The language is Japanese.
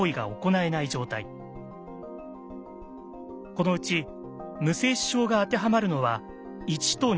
このうち無精子症が当てはまるのは１と２のケース。